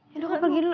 yaudah aku pergi dulu